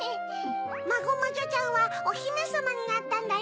マゴマジョちゃんはおひめさまになったんだよね。